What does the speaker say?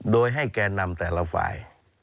โดยให้แก่นำแต่ละฝ่าย